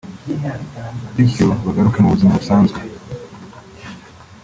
bityo bagaruke mu buzima busanzwe”